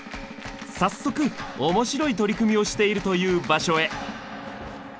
早速面白い取り組みをしているという場所へ。